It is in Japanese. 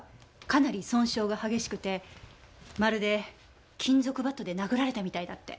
かなり損傷が激しくてまるで金属バットで殴られたみたいだって。